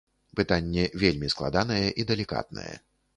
Пытанне вельмі складанае і далікатнае.